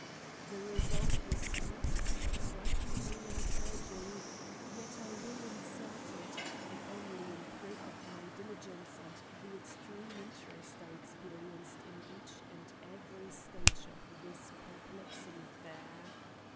The result was not strikingly encouraging, yet I will insert it, if only in proof of my diligence and the extreme interest I experienced in each and every stage of this perplexing affair.